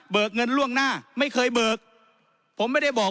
เบิกเงินล่วงหน้าไม่เคยเบิก